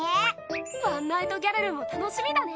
ワンナイトギャルルも楽しみだね。